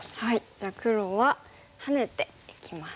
じゃあ黒はハネていきます。